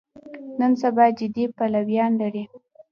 نن سبا جدي پلویان لري.